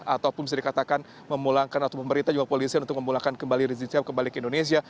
ataupun bisa dikatakan memulangkan atau memberitakan juga polisian untuk memulangkan kembali rezidensial kembali ke indonesia